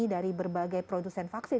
dari berbagai produsen vaksin